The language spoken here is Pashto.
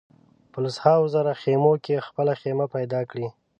په لسهاوو زره خېمو کې خپله خېمه پیدا کړي.